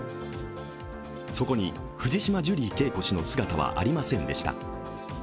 そこに藤島ジュリー景子氏の姿はありませんでした。